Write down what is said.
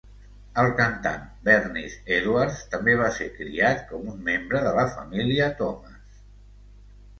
El cantant Bernice Edwards també va ser criat com un membre de la família Thomas.